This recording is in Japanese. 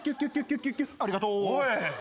ありがとう。おい。